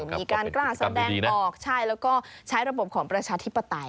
มีการกล้าแสดงออกใช่แล้วก็ใช้ระบบของประชาธิปไตย